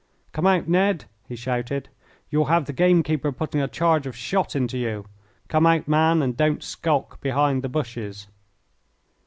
"Come out, Ned!" he shouted; "you'll have the game keeper putting a charge of shot into you. Come out, man, and don't skulk behind the bushes."